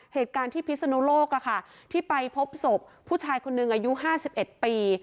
เหตุการณ์ที่พิศนุโลกที่ไปพบศพผู้ชายคนหนึ่งอายุ๕๑ปี